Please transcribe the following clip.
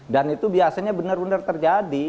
dan itu biasanya benar benar terjadi